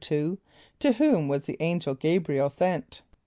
= To whom was the angel G[=a]´br[)i] el sent?